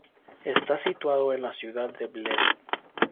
Está situado en la ciudad de Bled.